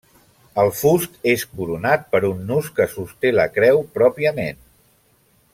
El fust és coronat per un nus que sosté la creu pròpiament.